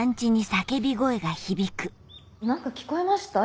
・何か聞こえました？